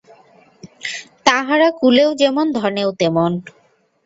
তাঁহারা কুলেও যেমন ধনেও তেমন।